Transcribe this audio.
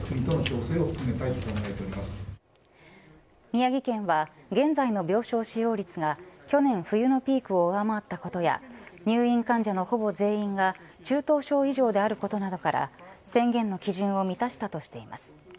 宮城県は現在の病床使用率が去年冬のピークを上回ったことや入院患者のほぼ全員が中等症以上であることなどから宣言の基準を満たしたとしています。